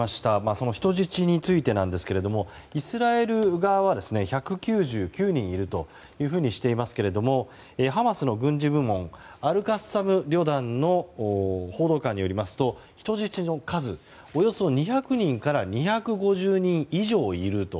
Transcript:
その人質についてですがイスラエル側は１９９人いるというふうにしていますけれどもハマスの軍事部門アルカッサム旅団の報道官によりますと人質の数、およそ２００人から２５０人以上いると。